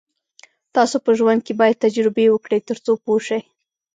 تاسو په ژوند کې باید تجربې وکړئ تر څو پوه شئ.